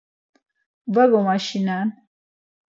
Var gomaşinen.